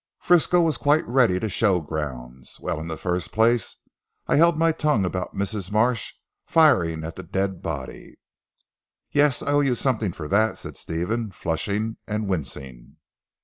Frisco was quite ready to show grounds. "Well in the first place I held my tongue about Mrs. Marsh firing at the dead body." "Yes. I owe you something for that," said Stephen flushing and wincing.